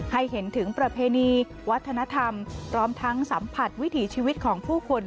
ให้เห็นถึงประเพณีวัฒนธรรมพร้อมทั้งสัมผัสวิถีชีวิตของผู้คน